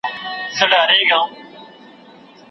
پنځه زره کلونه دی خوبونو زنګولی